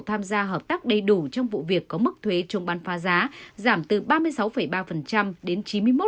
tham gia hợp tác đầy đủ trong vụ việc có mức thuế chống bán phá giá giảm từ ba mươi sáu ba đến chín mươi một tám